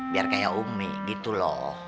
biar kayak umi gitu loh